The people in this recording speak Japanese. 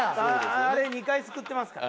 あれ２回救ってますからね。